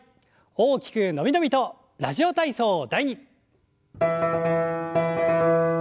大きく伸び伸びと「ラジオ体操第２」。